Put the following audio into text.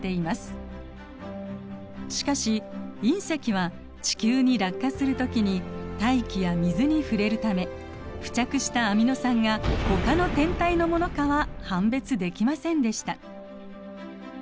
しかし隕石は地球に落下する時に大気や水に触れるため付着したアミノ酸がほかの天体のものかは判別できませんでした。